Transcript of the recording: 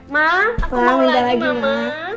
ma aku mau lagi mama